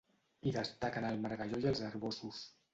Hi destaquen el margalló i els arboços.